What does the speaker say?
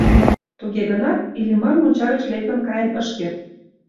Туге гынат, Иллимар монча гыч лектын каен ыш керт.